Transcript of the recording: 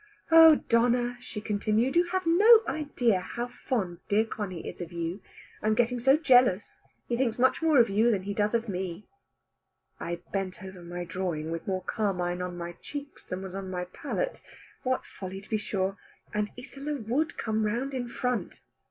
"Oh Donna," she continued, "you have no idea how fond dear Conny is of you. I am getting so jealous. He thinks much more of you than he does of me." I bent over my drawing with more carmine on my cheeks than was on the palette. What folly to be sure! And Isola would come round in front.